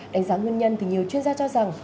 đánh giá nguyên nhân thì nhiều chuyên gia cho rằng